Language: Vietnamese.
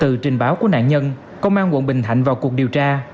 từ trình báo của nạn nhân công an quận bình thạnh vào cuộc điều tra